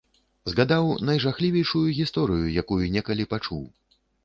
Згадаў найжахлівейшую гісторыю, якую некалі пачуў.